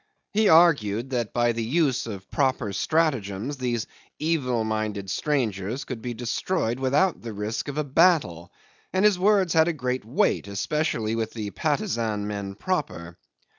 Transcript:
He argued that by the use of proper stratagems these evil minded strangers could be destroyed without the risk of a battle, and his words had a great weight, especially with the Patusan men proper.